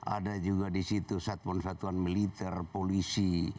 ada juga di situ satuan satuan militer polisi